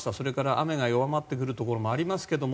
雨も弱まってくるところもありますけど